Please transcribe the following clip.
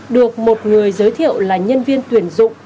được một người giới thiệu là nhân viên tuyển dụng